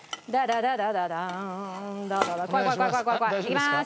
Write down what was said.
いきます。